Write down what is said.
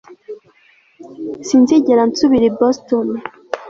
Sinzigera nsubira i Boston